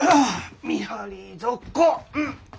見張り続行！